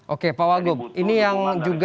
oke pak wagub ini yang juga